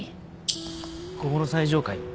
ここの最上階。